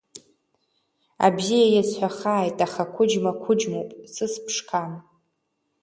Абзиа иазҳәахааит, аха ақәыџьма қәыџьмоуп, сыс ԥшқам…